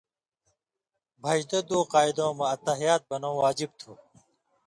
بھَژَدہ دُو قاعدٶں مہ التَّحِیَّات بنٶں واجب تھو۔